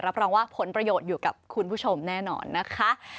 รับรองว่าผลประโยชน์อยู่กับคุณผู้ชมแน่นอนนะคะ